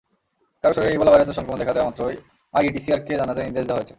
কারও শরীরে ইবোলা ভাইরাসের সংক্রমণ দেখা দেওয়ামাত্রই আইইডিসিআরকে জানাতে নির্দেশ দেওয়া হয়েছে।